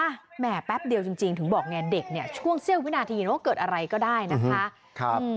แหมแป๊บเดียวจริงถึงบอกไงเด็กช่วงเซลล์ไม่นานทียินว่าเกิดอะไรก็ได้นะคะ